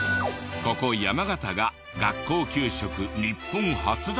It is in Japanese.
ここ山形が学校給食日本初だそうで。